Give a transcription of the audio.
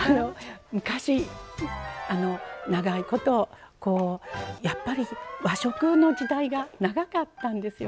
昔長いことこうやっぱり和食の時代が長かったんですよね。